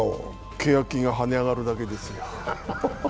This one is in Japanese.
契約金が跳ね上がるだけですよ。